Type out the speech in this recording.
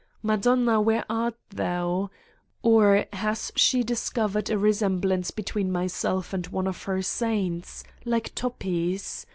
Madonna, where art Thou? Or, has she discovered a re semblance between myself and one of her saints, like Toppi's.